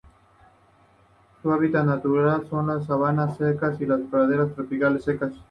Su hábitat natural son la sabana seca y las praderas tropicales secas.